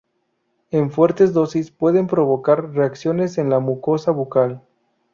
En fuertes dosis pueden provocar reacciones en la mucosa bucal.